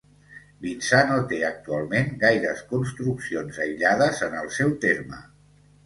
Vinçà no té actualment gaires construccions aïllades en el seu terme.